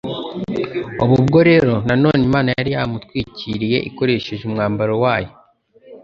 Ubu bwo rero noneho Imana yari yamutwikiriye ikoresheje umwambaro wayo